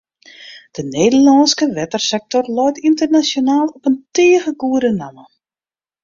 De Nederlânske wettersektor leit ynternasjonaal op in tige goede namme.